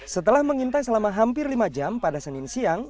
setelah mengintai selama hampir lima jam pada senin siang